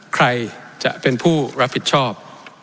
ใครจะเป็นผู้รับผิดชอบ